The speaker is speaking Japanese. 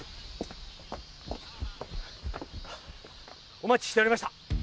お待ちしておりました！